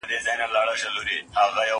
زه به اوږده موده چپنه پاک کړې وم!.